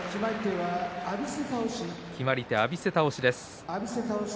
決まり手、浴びせ倒しです。